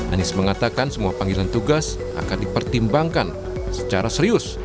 anies mengatakan semua panggilan tugas akan dipertimbangkan secara serius